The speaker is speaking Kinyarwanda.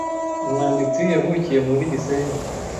Umwanditsi yavukiye muri Gisenyi